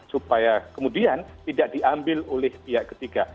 supaya kemudian tidak diambil oleh pihak ketiga